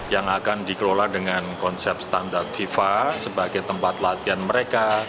yang akan dikelola dengan konsep standar fifa sebagai tempat latihan mereka